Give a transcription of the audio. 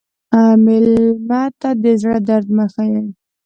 مېلمه ته د زړه درد مه ښیې.